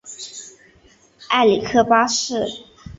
埃里克八世。